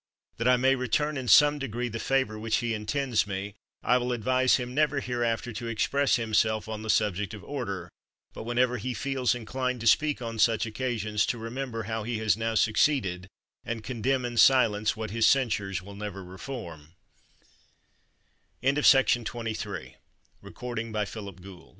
That I may return in some degree the favor which he intends me, I will ad vise him never hereafter to express himself en the subject of order, but whenever he feels in clined to speak on such occasions to remember how he has now succeeded and condemn in silence what his censures will never